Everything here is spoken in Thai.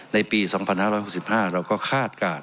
ในปี๒๕๖๕เราก็คาดการณ์